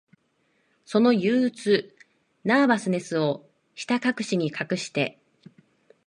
その憂鬱、ナーバスネスを、ひたかくしに隠して、